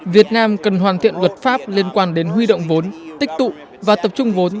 việt nam cần hoàn thiện luật pháp liên quan đến huy động vốn tích tụ và tập trung vốn